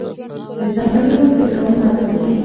د ځنګلونو پرې کول منع دي.